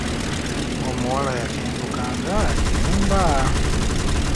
Omuwala yakenduka nga Ennumba.